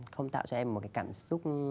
không tạo cho em một cái cảm xúc